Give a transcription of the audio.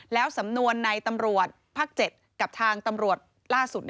แล้วสำนวนในตำรวจภาค๗กับทางตำรวจล่าสุด